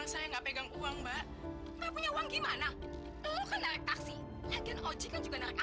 sampai jumpa di video selanjutnya